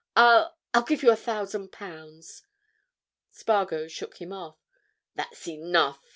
I'll—I'll give you a thousand pounds!" Spargo shook him off. "That's enough!"